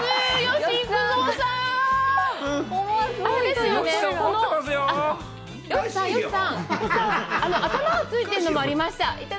吉幾三さん、頭がついてるのもありました。